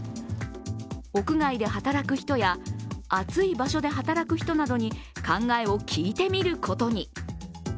屋外で働く人や暑い場所で働く人などに考えを聞いてみることに。